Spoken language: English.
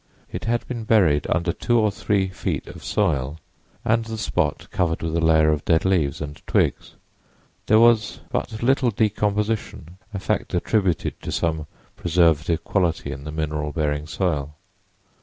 It had been buried under two or three feet of soil and the spot covered with a layer of dead leaves and twigs. There was but little decomposition, a fact attributed to some preservative property in the mineral bearing soil.